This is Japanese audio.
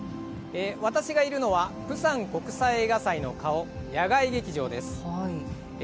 私がいるのはプサン国際映画祭の顔、野外劇場です。